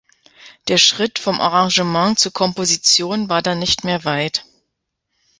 Der Schritt vom Arrangement zur Komposition war dann nicht mehr weit.